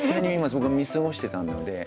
僕は見過ごしてたので。